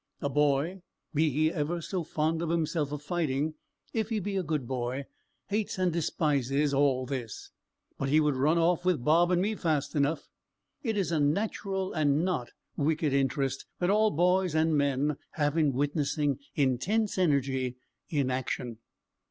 A boy be he ever so fond himself of fighting, if he be a good boy, hates and despises all this, but he would run off with Bob and me fast enough: it is a natural, and not wicked interest, that all boys and men have in witnessing intense energy in action.